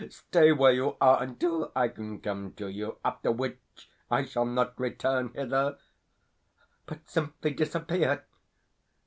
Stay where you are until I can come to you; after which I shall not return hither, but simply disappear.